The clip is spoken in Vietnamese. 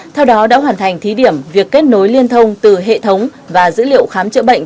theo đó đã hoàn thành thí điểm việc kết nối liên thông từ hệ thống và dữ liệu khám chữa bệnh